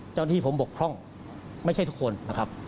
เจ้าหน้าที่ผมบกพร่องไม่ใช่ทุกคนนะครับ